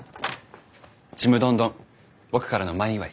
ちむどんどん僕からの前祝い。